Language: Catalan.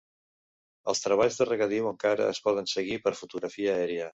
Els treballs de regadiu encara es poden seguir per fotografia aèria.